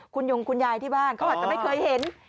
คุณยงคุณยายที่บ้านเขาอาจจะไม่เคยเห็น